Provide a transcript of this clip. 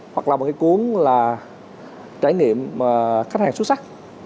hoặc là một cái cuốn là trải nghiệm khách hàng xuất sắc